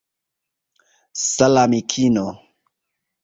Sal' amikino